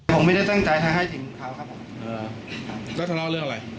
ผมไม่ได้ตั้งใจทางให้ถึงเขาครับผมครับครับแล้วทะเลาะเรื่องอะไร